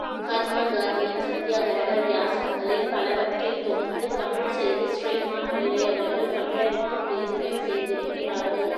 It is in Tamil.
மகாத்மா காந்தியின் சத்யாகரக வியாசங்களில் பலவற்றைத்தொகுத்துத் தமிழ்செய்து ஸ்ரீமான் பிள்ளையவர்கள் தமிழருக்குப் பேருதவி செய்திருக்கிறார்கள்.